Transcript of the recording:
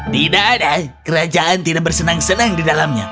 tidak ada kerajaan tidak bersenang senang di dalamnya